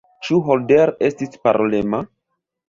Ĉu Holder estis parolema?